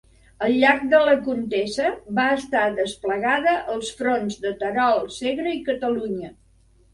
Al llarg de la contesa va estar desplegada als fronts de Terol, Segre i Catalunya.